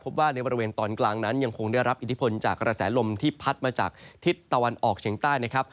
ว่าในบริเวณตอนกลางนั้นยังคงได้รับอิทธิพลจากกระแสลมที่พัดมาจากทิศตะวันออกเฉียงใต้นะครับ